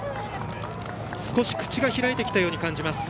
少し口が開いてきたように感じます。